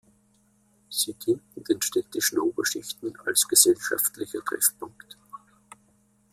Sie dienten den städtischen Oberschichten als gesellschaftlicher Treffpunkt.